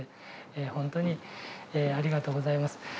ほんとにありがとうございます。